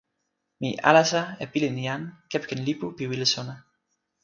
mi alasa e pilin jan kepeken lipu pi wile sona.